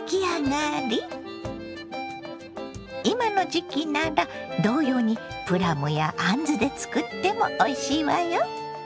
今の時期なら同様にプラムやあんずで作ってもおいしいわよ。